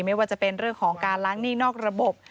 ไม่ว่าจะเป็นเรื่องของการล้างหนี้นอกระบบ